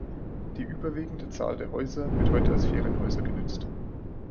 Die überwiegende Zahl der Häuser wird heute als Ferienhäuser genützt.